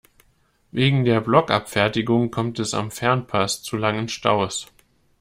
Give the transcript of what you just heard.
Wegen der Blockabfertigung kommt es am Fernpass zu langen Staus.